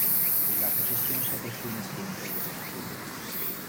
La posesión se presume siempre de buena fe.